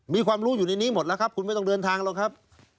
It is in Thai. มีความรู้อยู่ในนี้หมดแล้วครับคุณไม่ต้องเดินทางหรอกครับ